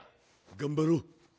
頑張ろう。